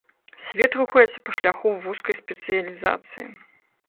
Свет рухаецца па шляху вузкай спецыялізацыі.